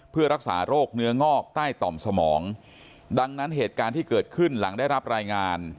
เพื่อรักษาโรคเนื้องอกใต้ต่อมสมองดังนั้นเหตุการณ์ที่เกิดขึ้นหลังได้รับรายงาน